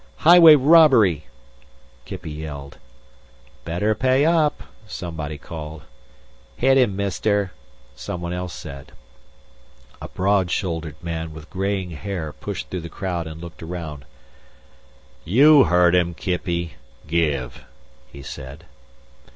"Highway robbery!" Kippy yelled. "Better pay up," somebody called. "Hit him, mister," someone else said. A broad shouldered man with graying hair pushed through the crowd and looked around. "You heard 'em, Kippy. Give," he said.